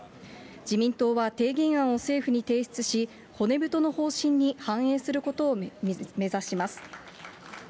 自民党は提言案を政府に提出し、骨太の方針に反映することを目指します。